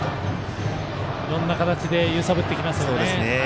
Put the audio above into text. いろんな形で揺さぶってきますよね。